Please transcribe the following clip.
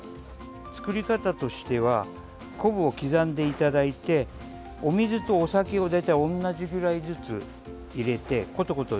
作り方としては昆布を刻んでいただいてお水とお酒を大体同じぐらいずつ入れてコトコト